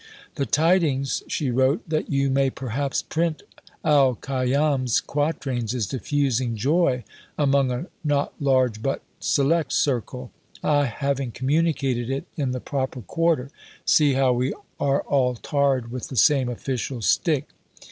"The tidings," she wrote (April 21), "that you may perhaps print Al Khayyám's quatrains is diffusing joy among a (not large but) select circle, I having communicated it in the 'proper quarter' (see how we are all tarred with the same official stick).